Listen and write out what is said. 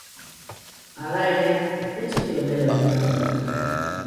Hala ere, ez zituen bere ohiturak aldatu.